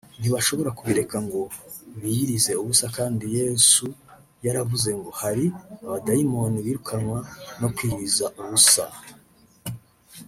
ntibashobora kubireka ngo biyirize ubusa kandi Yesu yaravuze ngo hari abadayimoni birukanwa no kwiyiriza ubusa